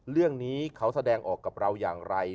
เรื่องนี้เขาแสดงออกกับเราอย่างไร